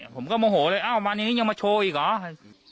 ผมก็โมโหเลยวันนี้ยังมาโชว์อีกหรอ